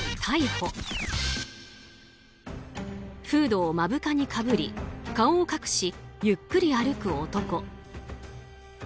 フードを目深にかぶり顔を隠しゆっくり歩く男。